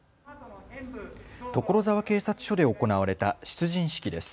所沢警察署で行われた出陣式です。